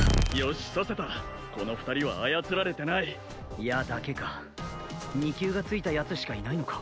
し刺せたこの２人は操られてない矢だけか２級がついたヤツしかいないのか？